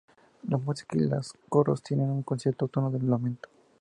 La música y los coros tienen un cierto tono de lamento.